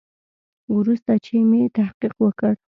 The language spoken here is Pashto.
وروسته چې مې تحقیق وکړ.